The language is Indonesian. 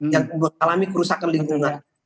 yang mengalami kerusakan lingkungan